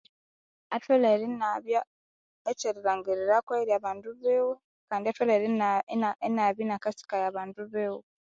Atolere iniabya ekyerilhangirirako eyiri abandu biwe Kandi atolere iniabya iniakasikaya abandu biwe